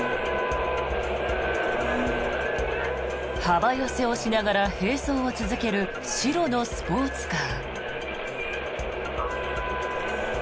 幅寄せをしながら並走を続ける白のスポーツカー。